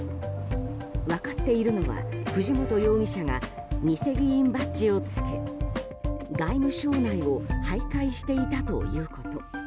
分かっているのは、藤本容疑者が偽議員バッジをつけ、外務省内を徘徊していたということ。